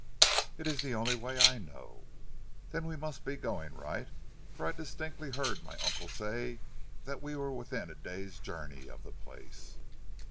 "It is the only way I know." "Then we must be going right, for I distinctly heard my uncle say we were within a day's journey of the place."